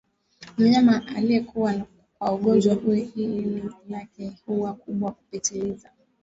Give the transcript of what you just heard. Mnyama aliyekuwa kwa ugonjwa huu ini lake huwa kubwa kupitiliza